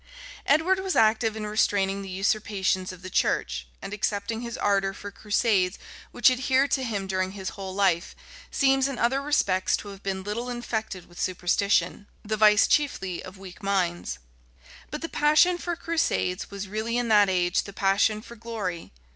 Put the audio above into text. Edward was active in restraining the usurpations of the church; and excepting his ardor for crusades, which adhered to him during his whole life, seems in other respects to have been little infected with superstition, the vice chiefly of weak minds. But the passion for crusades was really in that age the passion for glory.